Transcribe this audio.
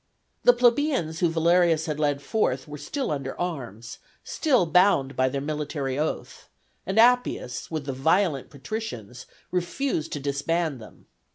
The plebeians whom Valerius had led forth were still under arms, still bound by their military oath, and Appius, with the violent patricians, refused to disband them.